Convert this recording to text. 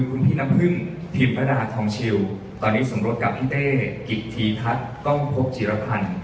คุณพี่น้ำพึ่งพิมรดาทองชิวตอนนี้สมรสกับพี่เต้กิตธีทัศน์กล้องพบจิรพันธ์